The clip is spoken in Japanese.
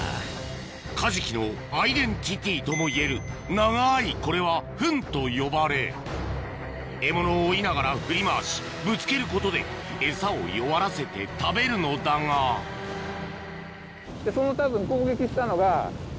カジキのアイデンティティーともいえる長いこれはフンと呼ばれ獲物を追いながら振り回しぶつけることでエサを弱らせて食べるのだがそのたぶん。